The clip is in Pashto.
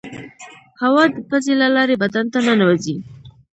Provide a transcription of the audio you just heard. هوا د پزې له لارې بدن ته ننوزي.